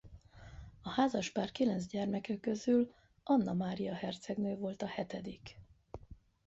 A házaspár kilenc gyermeke közül Anna Mária hercegnő volt a hetedik.